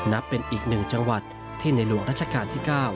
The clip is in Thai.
นับเป็นอีกหนึ่งจังหวัดที่ในหลวงรัชกาลที่๙